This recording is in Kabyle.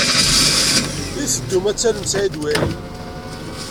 I teddum ad tallem Saɛid Waɛli?